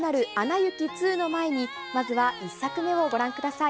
雪２の前に、まずは１作目をご覧ください。